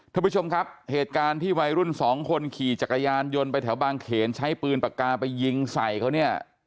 ท่านผู้ชมครับเหตุการณ์ที่วัยรุ่นสองคนขี่จักรยานยนต์ไปแถวบางเขนใช้ปืนปากกาไปยิงใส่เขาเนี่ย